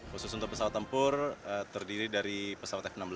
khusus untuk pesawat tempur terdiri dari pesawat f enam belas